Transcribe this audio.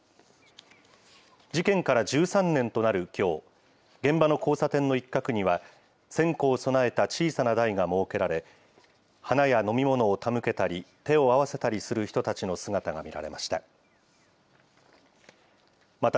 事件から１３年となるきょう、現場の交差点の一角には、線香を供えた小さな台が設けられ、花や飲み物を手向けたり、手を合わせたりする人たちの姿が見られました。